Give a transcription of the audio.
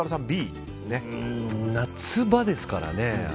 夏場ですからね。